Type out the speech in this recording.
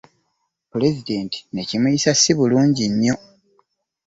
Pulezidenti ne kimuyisa si bulungi nnyo.